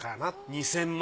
２，０００万？